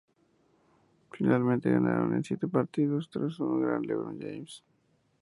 Finalmente, ganaron en siete partidos tras un gran LeBron James.